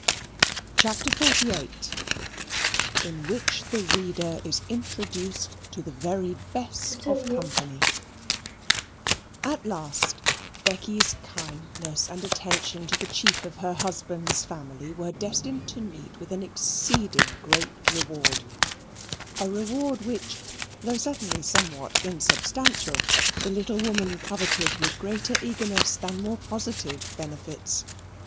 CHAPTER XLVIII In Which the Reader Is Introduced to the Very Best of Company At last Becky's kindness and attention to the chief of her husband's family were destined to meet with an exceeding great reward, a reward which, though certainly somewhat unsubstantial, the little woman coveted with greater eagerness than more positive benefits.